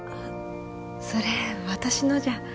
それ私のじゃ。